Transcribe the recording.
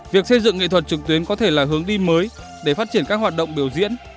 việc xây dựng nghệ thuật trực tuyến có thể là hướng đi mới để phát triển các hoạt động biểu diễn